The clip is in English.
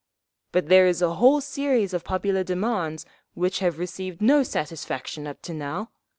But there is a whole series of popular demands which have received no satisfaction up to now….